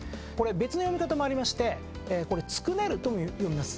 別の読み方もありましてこれ捏ねるとも読みます。